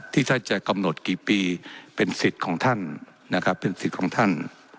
ที่ถ้าจะกำหนดกี่ปีเป็นสิทธิ์ของท่าน